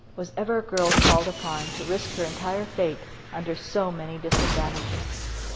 Was ever a girl called upon to risk her entire fate under so many disadvantages?